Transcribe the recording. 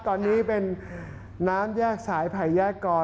ตอนนี้เป็นน้ำแยกสายไผ่แยกกร